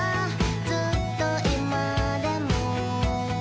「ずっと今でも」